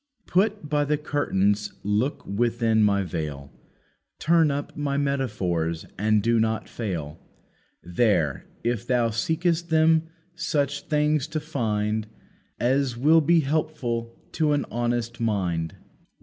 "Put by the curtains, look within my veil, Turn up my metaphors, and do not fail, There, if thou seekest them, such things to find, As will be helpful to an honest mind."